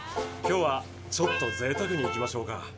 今日はちょっとぜいたくにいきましょうか。